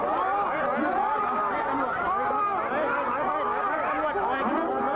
ขอบคุณมากครับ